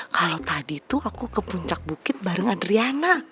kalau tadi tuh aku ke puncak bukit bareng adriana